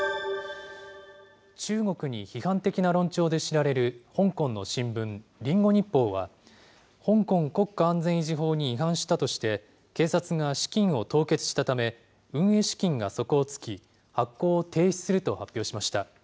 中国に批判的な論調で知られる香港の新聞、リンゴ日報は、香港国家安全維持法に違反したとして、警察が資金を凍結したため、運営資金が底をつき、発行を停止すると発表しました。